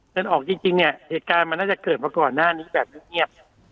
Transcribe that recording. เดินออกจริงเนี่ยเหตุการณ์มันน่าจะเกิดมาก่อนหน้านี้แบบเงียบ